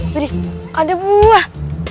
wih ada buah